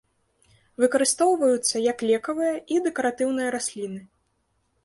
Выкарыстоўваюцца як лекавыя і дэкаратыўныя расліны.